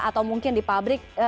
atau mungkin di pabrik